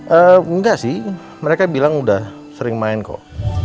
enggak sih mereka bilang udah sering main kok